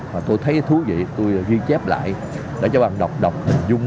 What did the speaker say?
và tôi thấy thú vị tôi ghi chép lại để cho bạn đọc đọc hình dung